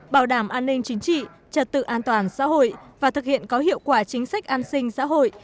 bảo đảm an ninh chính trị trật tự an toàn xã hội và thực hiện có hiệu quả chính sách an sinh xã hội